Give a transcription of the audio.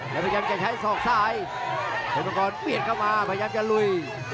แล้วพยายามจะใช้ศอกซ้ายสมกรเปลี่ยนเข้ามาพยายามจะลุย